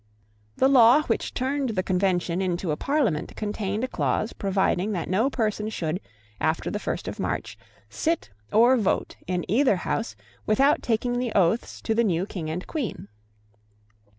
The law which turned the Convention into a Parliament contained a clause providing that no person should, after the first of March, sit or vote in either House without taking the oaths to the new King and Queen.